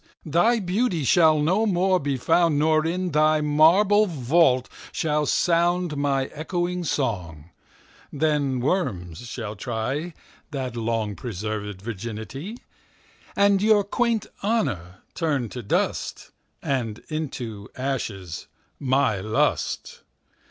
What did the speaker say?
Thy Beauty shall no more be found; Nor, in thy marble Vault, shall soundMy ecchoing Song: then Worms shall tryThat long preserv'd Virginity:And your quaint Honour turn to dust; And into ashes all my Lust.